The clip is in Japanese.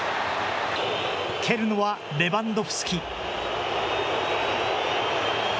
蹴るのはレバンドフスキ。